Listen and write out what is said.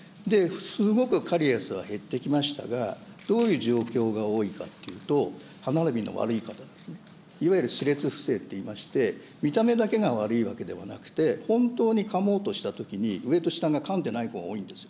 すごくカリエスが減ってきましたが、どういう状況が多いかといいますと、歯並びの悪い方ですね、いわゆる歯列不整っていいまして、見た目だけが悪いだけではなくて、本当にかもうとしたときに、上と下がかんでない子が多いんです。